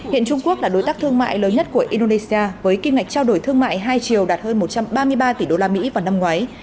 hiện trung quốc là đối tác thương mại lớn nhất của indonesia với kim ngạch trao đổi thương mại hai triều đạt hơn một trăm ba mươi ba tỷ usd vào năm ngoái